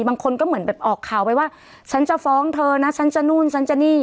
บางคนก็เหมือนแบบออกข่าวไปว่าฉันจะฟ้องเธอนะฉันจะนู่นฉันจะนี่